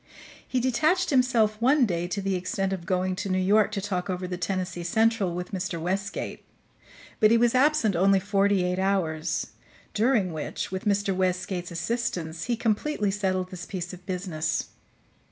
He detached himself one day to the extent of going to New York to talk over the Tennessee Central with Mr. Westgate; but he was absent only forty eight hours, during which, with Mr. Westgate's assistance, he completely settled this piece of business.